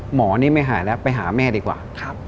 หมอนี่ไม่หายแล้วไปหาแม่ดีกว่า